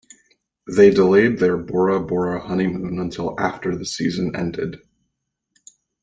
They delayed their Bora Bora honeymoon until after the season ended.